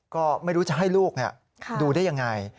ก็ไม่รู้จะให้ลูกนี่ดูได้อย่างไร